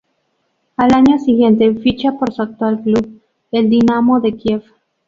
Al año siguiente ficha por su actual club, el Dinamo de Kiev.